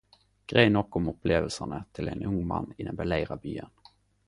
Grei nok om opplevelsane til ein ung mann i den beleira byen.